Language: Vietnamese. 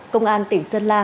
công an tỉnh sơn la